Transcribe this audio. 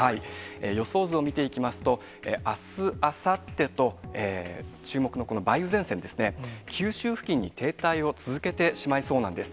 予想図を見ていきますと、あす、あさってと、注目のこの梅雨前線ですね、九州付近に停滞を続けてしまいそうなんです。